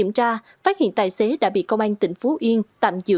một lần hai cái hợp đồng